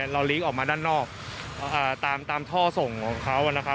เราลีกออกมาด้านนอกตามท่อส่งของเขา